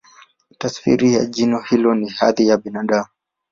Tafsiri ya jina hilo ni "Hadhi ya Binadamu".